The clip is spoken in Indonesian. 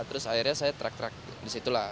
terus akhirnya saya track track disitulah